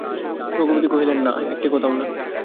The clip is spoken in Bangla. রঘুপতি কহিলেন, না, একটি কথাও না।